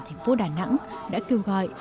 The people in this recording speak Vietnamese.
thành phố đà nẵng đã kêu gọi